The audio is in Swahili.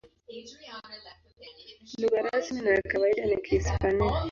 Lugha rasmi na ya kawaida ni Kihispania.